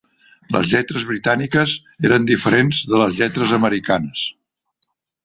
Les lletres britàniques eren diferents de les lletres americanes.